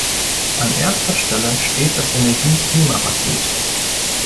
An erster Stelle steht das Energie-Klima-Paket.